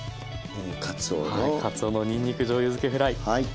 はいかつおのにんにくじょうゆづけフライ。